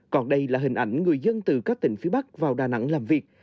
còn đây là hình ảnh người dân từ các tỉnh phía bắc vào đà nẵng làm việc